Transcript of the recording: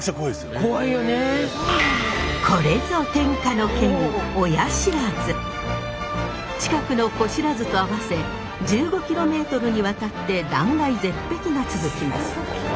これぞ天下の険近くの子不知と合わせ１５キロメートルにわたって断崖絶壁が続きます。